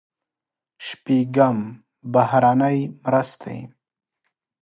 شپږم: بهرنۍ مرستې.